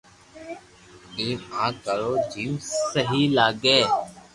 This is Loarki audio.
ايم ا ڪرو جيم سھي لاگي